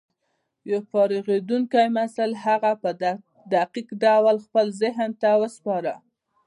يو فارغېدونکي محصل هغه په دقيق ډول خپل ذهن ته وسپاره.